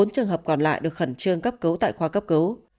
bốn trường hợp còn lại được khẩn trương cấp cứu tại khoa cấp cứu